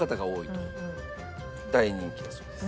大人気だそうです。